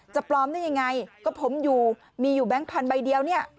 จะปลอมได้ยังไงก็ผมอยู่มีอยู่แบงค์พันธุ์ใบเดียว